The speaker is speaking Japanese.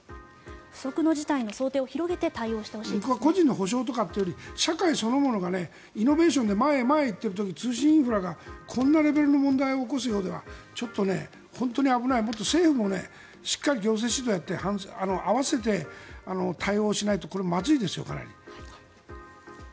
不測の事態を想定を広げて個人の補償とかより社会そのものがイノベーションで前へ、前へ行っている時通信インフラがこんな問題を起こしているようじゃちょっと本当に危ない政府もしっかり行政指導をして合わせて対応しないとこれはかなりまずいですよ。